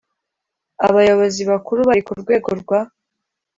abayobozi bakuru bari ku rwego rwa